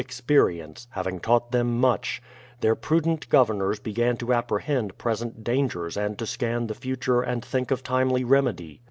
Experience, having taught them much, their prudent governors began to apprehend present dangers and to scan the future and think of timely remedy.